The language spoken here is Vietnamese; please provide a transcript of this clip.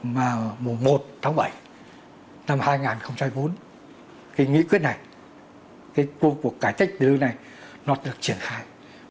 mà mùa một tháng bảy năm hai nghìn bốn cái nghị quyết này cái cuộc cuộc cải cách tiền lương này nó được triển khai